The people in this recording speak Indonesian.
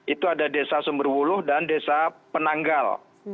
itu ada desa sumberwuluh dan desa penanggal